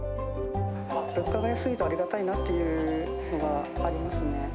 物価が安いとありがたいなっていうのがありますね。